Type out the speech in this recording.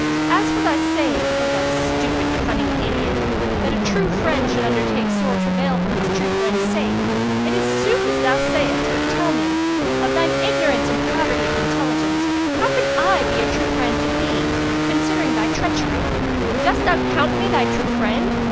As for thy saying, O thou stupid, cunning idiot! that a true friend should undertake sore travail for his true friend's sake, it is sooth as thou sayest, but tell me, of thine ignorance and poverty of intelligence, how can I be a true friend to thee, considering thy treachery. Dost thou count me thy true friend?